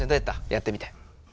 やってみて。